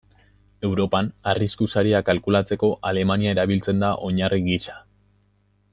Europan arrisku-saria kalkulatzeko Alemania erabiltzen da oinarri gisa.